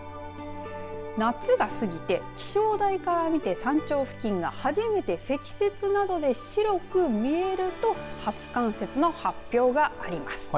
夏が過ぎて、気象台から見て山頂付近が初めて積雪などで白く見えると初冠雪の発表があります。